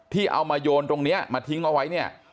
ที่เอามาโยนตรงนี้มาทิ้งเอาไว้เนี่ย